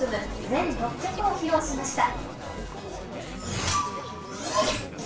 全６曲を披露しました。